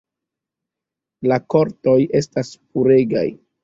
La kortoj estas puregaj.